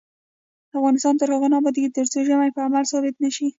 افغانستان تر هغو نه ابادیږي، ترڅو ژمنې په عمل ثابتې نشي.